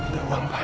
minta uang pak